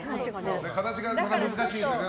形が難しいですね。